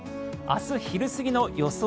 明日昼過ぎの予想